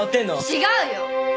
違うよ！